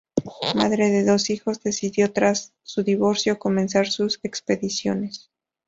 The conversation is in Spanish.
Madre de dos hijos, decidió tras su divorcio comenzar sus expediciones.